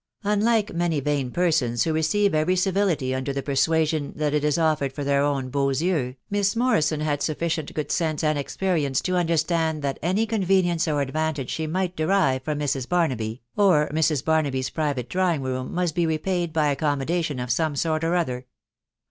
Unlike many vain persons who receive every chrflity under the persuasion that it is offered for their own bea*uryeua9lBm Morrison had sufficient good sense and experience to under stand that any convenience or advantage she might derive fin Mrs. Barnaby, or Mrs. Barnaby's private drawing room, mat be repaid by accommodation of some sort or oilier.